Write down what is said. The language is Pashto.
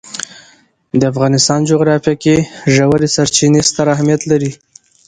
د افغانستان جغرافیه کې ژورې سرچینې ستر اهمیت لري.